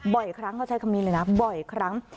บ่อยครั้งเขาใช้คำนี้เลยนะบ่อยครั้ง